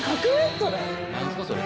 何すかそれ。